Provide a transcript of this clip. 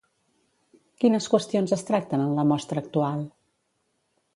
Quines qüestions es tracten en la mostra actual?